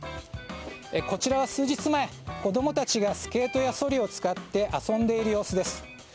こちらは数日前、子供たちがスケートや、そりを使って遊んでいる様子です。